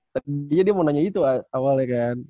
tadinya dia mau nanya itu awalnya kan